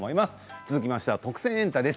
続いては「特選！エンタ」です。